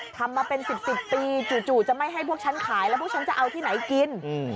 ทำมาเป็น๑๐ปีจู่จะไม่ให้พวกฉันขายแล้วพวกฉันจะเอาที่ไหนกิน